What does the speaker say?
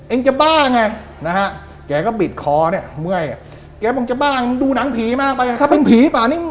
เอ็งจะบ้างก็ปิดคอแกบอกจะบ้างดูหนังผีมากหากเป็นผีไป